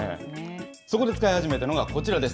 そこで使い始めたのがこちらです。